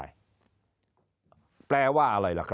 คนในวงการสื่อ๓๐องค์กร